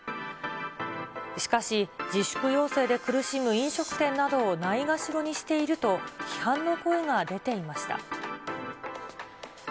しかし、自粛要請で苦しむ飲食店などをないがしろにしていると、批判の声が出ていました。